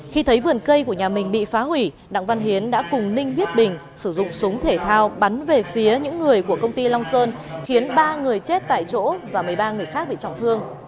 khi thấy vườn cây của nhà mình bị phá hủy đặng văn hiến đã cùng ninh viết bình sử dụng súng thể thao bắn về phía những người của công ty long sơn khiến ba người chết tại chỗ và một mươi ba người khác bị trọng thương